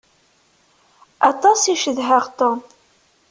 Aṭas i cedhaɣ Tom.